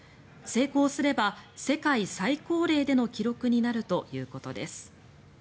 成功すれば世界最高齢での記録になるということです。